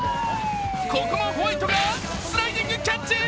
ここもホワイトがスライディングキャッチ！